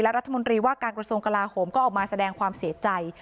รัฐมนตรีว่าการกระทรวงกลาโหมก็ออกมาแสดงความเสียใจ